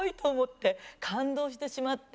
感動してしまって。